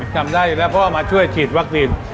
จำได้อยู่แล้วพ่อมาช่วยฉีดวัคซีน